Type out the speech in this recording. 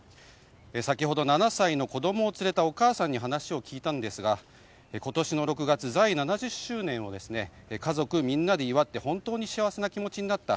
先ほど、７歳の子供を連れたお母さんに話を聞いたんですが今年の６月、在位７０周年を家族みんなで祝って本当に幸せな気持ちになった。